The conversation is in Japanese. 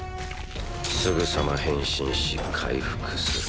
すぐさま変身し回復する。